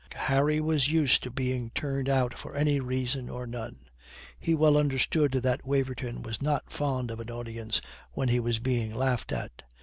Harry was used to being turned out for any reason or none. He well understood that Waverton was not fond of an audience when he was being laughed at.